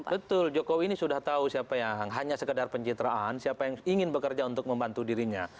betul jokowi ini sudah tahu siapa yang hanya sekedar pencitraan siapa yang ingin bekerja untuk membantu dirinya